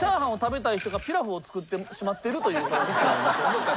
そうか。